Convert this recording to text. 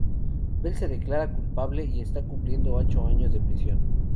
Bell se declara culpable y está cumpliendo ocho años de prisión.